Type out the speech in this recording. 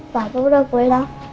papa udah pulang